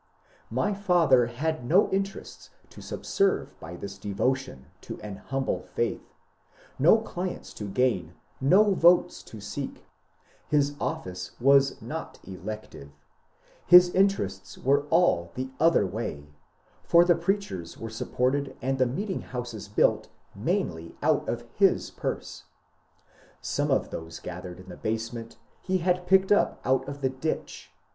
My father had no interests to subserve by this devotion to an humble faith, no clients to gain, no votes to seek ; his office was not elective, his interests were all the other way, for the preachers were supported and the meeting houses built mainly out of his purse. Some of those gathered in the basement he had picked up out of the ditch.